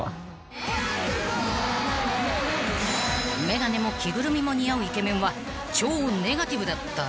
［眼鏡も着ぐるみも似合うイケメンは超ネガティブだった？］